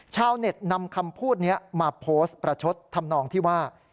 ชาวเน็ตนำคำพูดนี้มาโพสต์ประชดทำนองที่ว่า